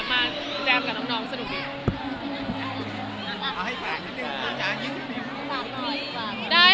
มาแจมกับน้องสนุกดี